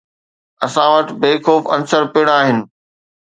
اسان وٽ بي خوف عنصر پڻ آهن.